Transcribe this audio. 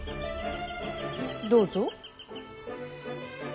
どうぞ。